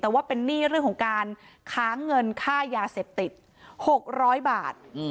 แต่ว่าเป็นหนี้เรื่องของการค้างเงินค่ายาเสพติด๖๐๐บาท